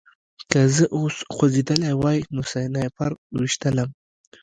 که زه اوس خوځېدلی وای نو سنایپر ویشتلم